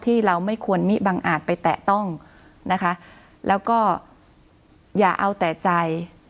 ที่เราไม่ควรมิบังอาจไปแตะต้องนะคะแล้วก็อย่าเอาแต่ใจ